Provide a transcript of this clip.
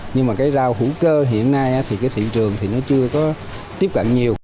nhưng mà cái rau hữu cơ hiện nay thì cái thị trường thì nó chưa có tiếp cận nhiều